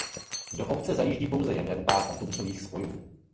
Do obce zajíždí pouze jeden pár autobusových spojů.